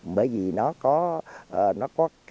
bởi vì nó có cá nó có